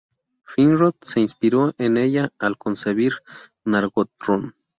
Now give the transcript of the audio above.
Finrod se inspiró en ella al concebir Nargothrond.